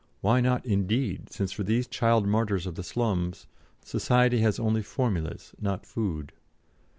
Why not, indeed, since for these child martyrs of the slums, Society has only formulas, not food."